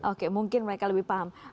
oke mungkin mereka lebih paham